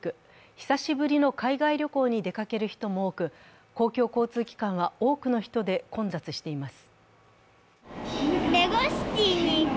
久しぶりの海外旅行に出かける人も多く、公共交通機関は多くの人で混雑しています。